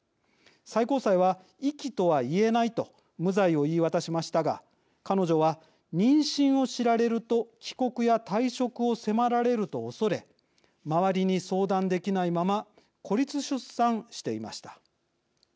最高裁は、遺棄とは言えないと無罪を言い渡しましたが彼女は妊娠を知られると帰国や退職を迫られると恐れ周りに相談できないまま孤立出産していました。